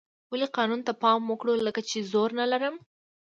ولې قانون ته پام وکړو لکه چې زور نه لرم.